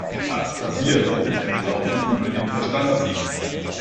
Das passiert, wenn der Glauben über den Verstand siegt.